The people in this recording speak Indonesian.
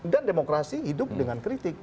dan demokrasi hidup dengan kritik